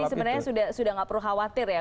tapi sebenarnya sudah tidak perlu khawatir ya